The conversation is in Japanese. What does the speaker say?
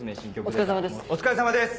お疲れさまです。